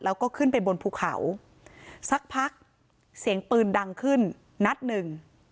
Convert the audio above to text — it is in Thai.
แล้วก็ขึ้นไปบนภูเขาสักพักเสียงปืนดังขึ้นนัดหนึ่ง